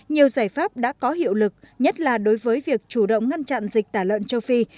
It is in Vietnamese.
nhiều giải pháp đã có hiệu lực nhất là đối với việc chủ động ngăn chặn dịch tả lợn châu phi